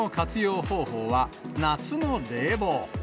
方法は、夏の冷房。